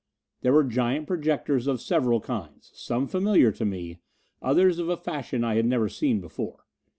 There were giant projectors of several kinds, some familiar to me, others of a fashion I had never seen before.